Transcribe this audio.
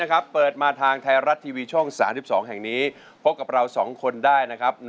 ลูกทุ่งสู้ชีวิต